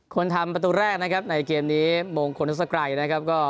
คนทำประตูแรกนะครับในเกมนี้โมงโครนัสสะไกรนะครับ